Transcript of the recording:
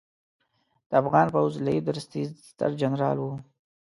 د افغان پوځ لوی درستیز سترجنرال و